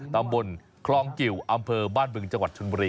ตำบลคลองกิวอำเภอบ้านบึงจังหวัดชนบุรี